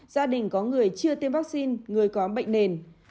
gia đình có người chưa tiêm vaccine người có bệnh nền